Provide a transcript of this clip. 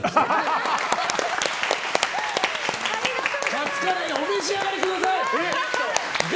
カツカレーお召し上がりください！